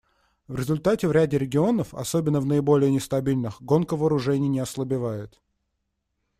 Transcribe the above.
В результате в ряде регионов, особенно в наиболее нестабильных, гонка вооружений не ослабевает.